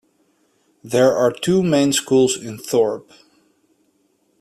There are two main schools in Thorp.